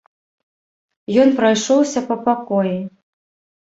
Ён прайшоўся па пакоі.